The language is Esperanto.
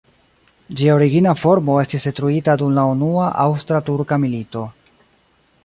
Ĝia origina formo estis detruita dum la Unua Aŭstra-Turka milito.